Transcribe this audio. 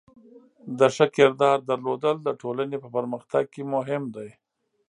د ښه کردار درلودل د ټولنې په پرمختګ کې مهم دی.